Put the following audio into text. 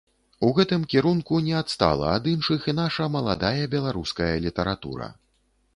У гэтым кірунку не адстала ад іншых і наша маладая беларуская літаратура.